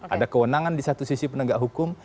ada kewenangan di satu sisi penegak hukum